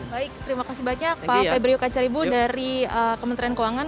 baik terima kasih banyak pak febrio kacaribu dari kementerian keuangan